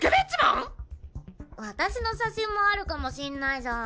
私の写真もあるかもしんないじゃん。